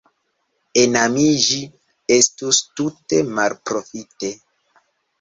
Enamiĝi estus tute malprofite.